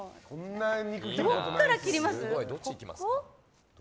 どこから切ります？